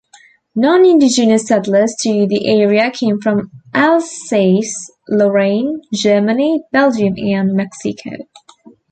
Non-indigenous settlers to the area came from Alsace-Lorraine, Germany, Belgium and Mexico.